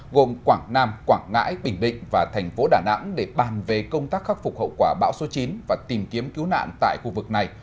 gồm quảng nam quảng ngãi bình định và thành phố đà nẵng để bàn về công tác khắc phục hậu quả bão số chín và tìm kiếm cứu nạn tại khu vực này